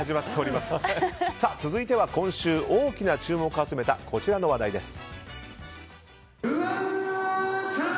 続いては今週大きな注目を集めたこちらの話題です。